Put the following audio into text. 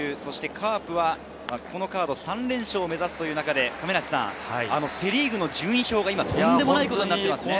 カープはこのカード３連勝を目指す中で、セ・リーグの順位表がとんでもないことになっていますね。